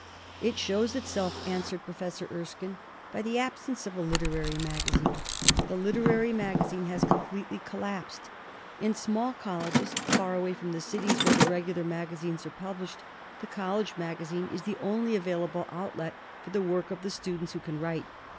"It shows itself," answered Professor Er skine, "by the absence of a literary magazine. The literary magazine has completely collapsed. In small colleges, far away from the cities where the regular magazines are published, the college magazine is the only available outlet for the work of the students who can write.